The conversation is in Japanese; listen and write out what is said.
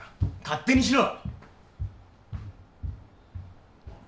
勝手にしろ！